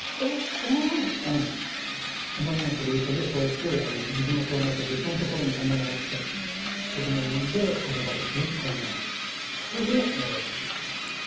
うんアマミノクロウサギはこうやって自分の巣穴と別のところに穴を掘って子供を産んで子育てするウサギなんです不思議ええ